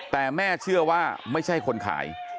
แต่แม่เชื่อว่าไม่ใช่คนขาย